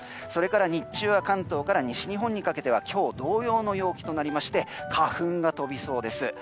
それから日中は関東から西日本にかけては今日同様の陽気となって花粉が飛びそうです。